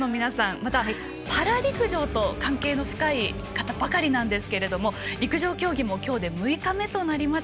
また、パラ陸上と関係の深い方ばかりなんですけれども陸上競技も今日で６日目となります。